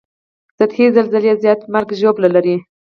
سطحي زلزلې زیاته مرګ ژوبله اړوي